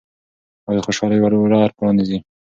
او د خوشحالۍ ور پرانیزئ.